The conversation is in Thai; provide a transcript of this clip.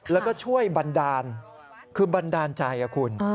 แล้วก็ช่วยบันดาลคือบันดาลใจคุณ